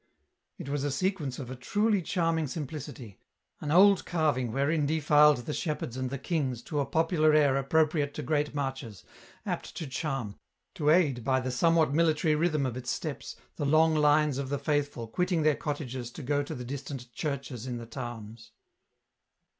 It was a sequence of a truly charming simplicity, an old carving wherein defiled the shepherds and the kings to a popular air appropriate to great marches, apt to charm, to aid by the somewhat military rhythm of its steps, the long lines of the faithful quitting their cottages to go to the distant churches in the towns.